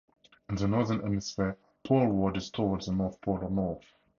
In the Northern Hemisphere, poleward is towards the North Pole, or north.